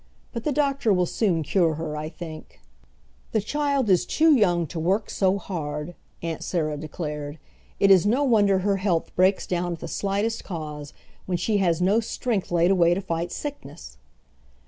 "But the doctor will soon cure her, I think." "The child is too young to work so hard," Aunt Sarah declared. "It is no wonder her health breaks down at the slightest cause, when she has no strength laid away to fight sickness."